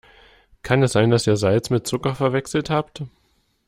Kann es sein, dass ihr Salz mit Zucker verwechselt habt?